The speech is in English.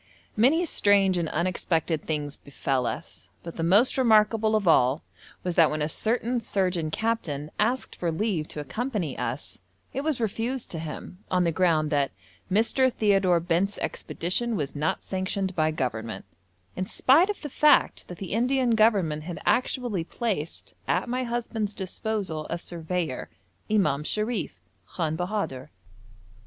Many strange and unexpected things befell us, but the most remarkable of all was that when a certain surgeon captain asked for leave to accompany us, it was refused to him on the ground that 'Mr. Theodore Bent's expedition was not sanctioned by Government,' in spite of the fact that the Indian Government had actually placed at my husband's disposal a surveyor, Imam Sharif, Khan Bahadur.